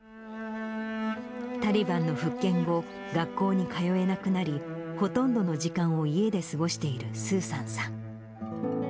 タリバンの復権後、学校に通えなくなり、ほとんどの時間を家で過ごしているスーサンさん。